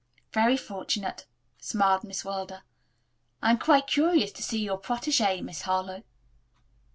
"Very fortunate," smiled Miss Wilder. "I am quite curious to see your protege, Miss Harlowe."